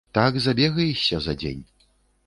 Так забегаешся за дзень.